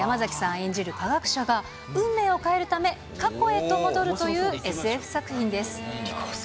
演じる科学者が運命を変えるため、過去へと戻るというＳＦ作品です。